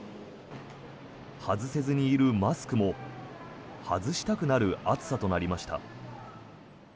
外せずにいるマスクも外したくなる暑さとなりました。